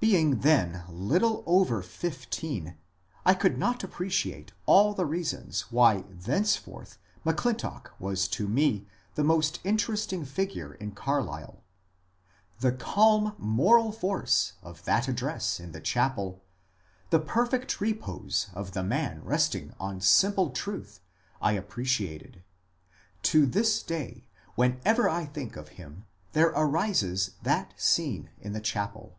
Being then little over fifteen, I could not appreciate all the reasons why thenceforth M'Clintock was to me the most interesting figure in Carlisle. The calm moral force of that address in the chapel, the perfect repose of the man resting on simple truth, I appreciated ; to this day whenever I think of him there arises that scene in the chapel.